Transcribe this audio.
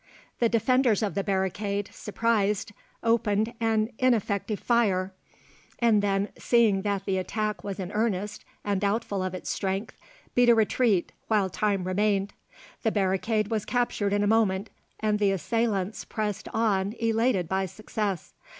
The defenders of the barricade, surprised, opened an ineffective fire and then, seeing that the attack was in earnest and doubtful of its strength, beat a retreat while time remained. The barricade was captured in a moment, and the assailants pressed on elated by success.